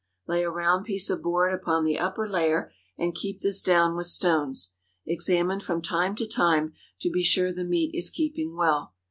Lay a round piece of board upon the upper layer and keep this down with stones. Examine from time to time, to be sure the meat is keeping well.